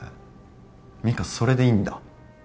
ミカそれでいいんだ？